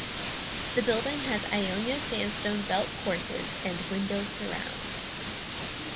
The building has Ionia sandstone belt courses and window surrounds.